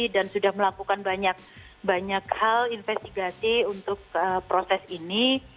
dan sudah melakukan banyak banyak hal investigasi untuk proses ini